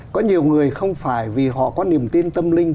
có nhiều người không phải vì họ có niềm tin tâm linh